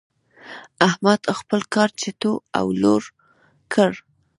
احمد خپل کار چټو او لړو کړ.